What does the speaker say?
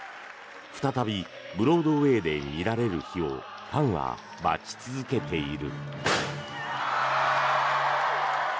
再びブロードウェーで見られる日をファンは待ち続けている。